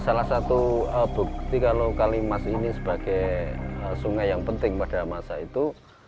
salah satu bukti kalau kalimas ini sebagai sungai yang penting pada masa itu